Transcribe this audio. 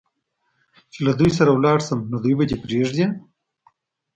چې له دوی سره ولاړ شم، نو دوی به دې پرېږدي؟